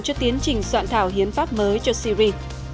cho tiến trình soạn thảo hiến pháp mới cho syri